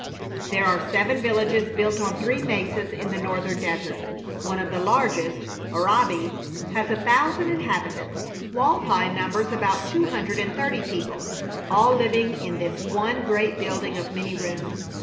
There are seven villages built on three mesas in the northern desert. One of the largest, Orabi, has a thousand inhabitants. Walpi numbers about two hundred and thirty people, all living in this one great building of many rooms.